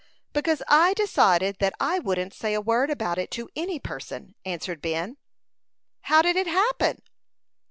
"Because I decided that I wouldn't say a word about it to any person," answered Ben. "How did it happen?"